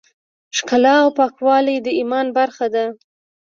ښکلا او پاکوالی د ایمان برخه ده.